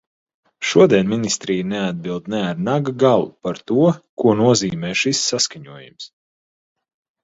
Šodien ministrija neatbild ne ar naga galu par to, ko nozīmē šis saskaņojums.